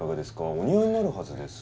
お似合いになるはずです。